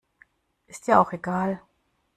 Ist ja auch egal.